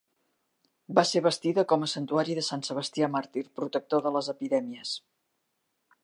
Va ser bastida com a santuari de sant Sebastià màrtir, protector de les epidèmies.